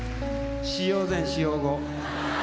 使用前使用後。